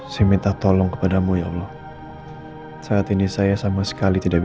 jangan jauh jauh ya kiki